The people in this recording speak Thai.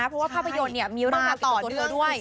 เพราะว่าภาพยนตร์นี้มีเยอะต่อต่อกับเธอด้วย